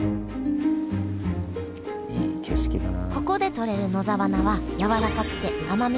いい景色だな。